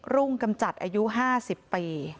รุ่งกำจัดอายุ๕๐ปี